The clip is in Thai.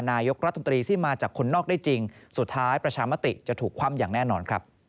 นายกรัฐมนตรีที่มาจากคนนอกได้จริงสุดท้ายประชามติจะถูกคว่ำอย่างแน่นอนครับ